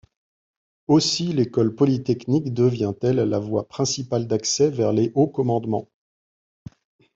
Aussi, l'école polytechnique devient-elle la voie principale d'accès vers les hauts commandements.